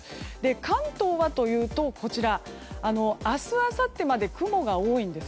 関東は、明日あさってまで雲が多いんです。